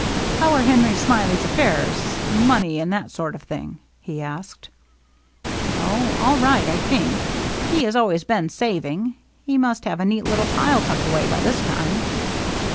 " How are Henry Smiley's affairs — money and that sort of thing?" he asked. "Oh, all right, I think. He has always been saving. He must have a neat little pile tucked away by this time."